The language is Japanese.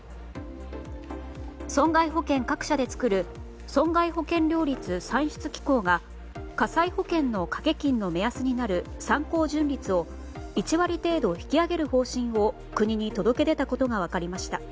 損害保険各社で作る損害保険料率算出機構が火災保険の掛け金の目安になる参考純率を１割程度引き上げる方針を国に届け出たことが分かりました。